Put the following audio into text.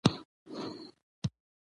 د سبزیجاتو د ساتنې سړې خونې ګټورې دي.